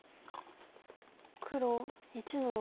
黒１の六。